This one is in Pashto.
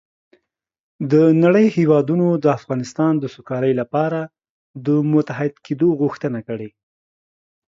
د نړۍ هېوادونو د افغانستان د سوکالۍ لپاره د متحد کېدو غوښتنه کړې